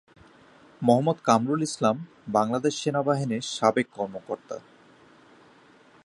মোহাম্মদ কামরুল ইসলাম বাংলাদেশ সেনাবাহিনীর সাবেক কর্মকর্তা।